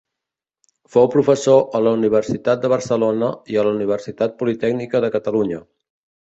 Fou professor a la Universitat de Barcelona i a la Universitat Politècnica de Catalunya.